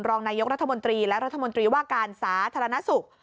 รองนายกรัฐมนตรีและรัฐมนตรีว่าการสาธารณสุข